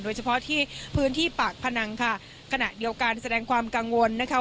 โดยเฉพาะที่พื้นที่ปากพนังค่ะขณะเดียวกันแสดงความกังวลนะคะ